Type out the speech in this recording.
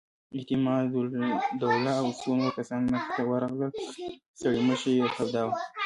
اعتماد الدوله او څو نور کسان مخې ته ورغلل، ستړې مشې یې توده وه.